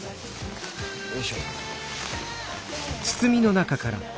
よいしょ。